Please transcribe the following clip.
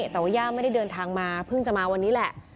แต่ว่าย่าไม่ได้เดินทางมาเพิ่งจะมาวันนี้แหละ